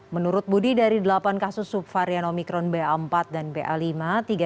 menurut budi dari delapan kasus subvarian omikron ba empat dan ba lima